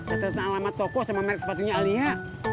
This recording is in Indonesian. atau alamat toko sama merk sepatunya alia